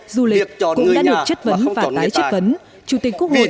du lịch cũng đã được chất vấn và không chọn người tài